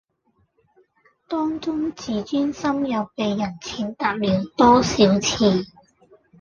當中自尊心又被人踐踏了多少次